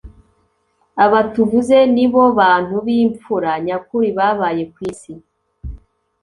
Aba tuvuze ni bo bantu b’impfura nyakuri babaye ku isi.